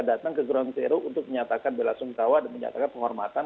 datang ke ground zero untuk menyatakan bela sungkawa dan menyatakan penghormatan